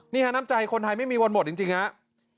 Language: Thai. น้ำใจคนไทยไม่มีวันหมดจริงครับ